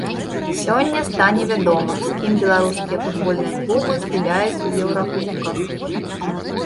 Сёння стане вядома, з кім беларускія футбольныя клубы згуляюць у еўракубках.